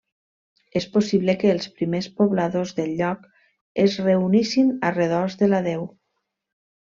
És possible que els primers pobladors del lloc es reunissin a redós de la deu.